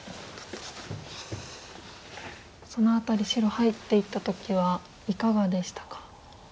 その辺り白入っていった時はいかがでしたか？